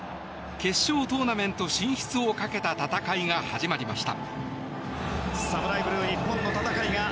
決勝トーナメント進出をかけた戦いが始まりました。